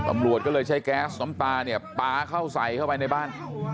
ตำรวจก็เลยใช้แก๊สน้ำตาเนี่ยปลาเข้าใส่เข้าไปในบ้าน